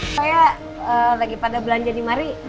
saya lagi pada belanja di mari